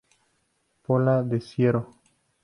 Pola de Siero.